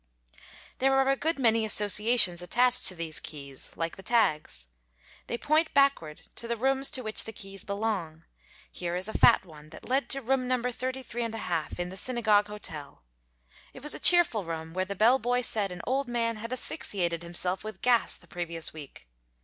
There are a good many associations attached to these keys, like the tags. They point backward to the rooms to which the keys belong. Here is a fat one that led to room number 33 1/2 in the Synagogue hotel. It was a cheerful room, where the bell boy said an old man had asphyxiated himself with gas the previous week.